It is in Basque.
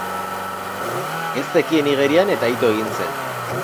Ez zekien igerian eta ito egin zen.